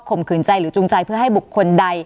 มขืนใจหรือจูงใจเพื่อให้บุคคลใด